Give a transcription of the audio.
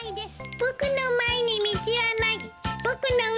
僕の前に道はない。